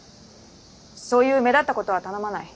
そういう目立ったことは頼まない。